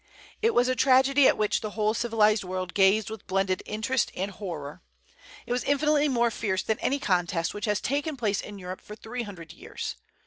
It was a tragedy at which the whole civilized world gazed with blended interest and horror. It was infinitely more fierce than any contest which has taken place in Europe for three hundred years.